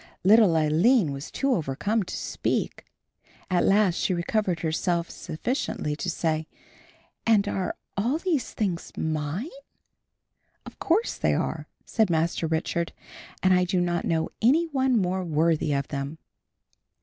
Little Aline was too overcome to speak. At last she recovered herself sufficiently to say; "And are all of these things mine?" "Of course they are," said Master Richard, "and I do not know any one more worthy of them."